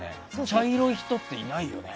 茶色い人っていないよね。